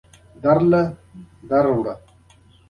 د زخم د تسکین لپاره یې یو ډول محلي درمل کارول چې سنو نومېدل.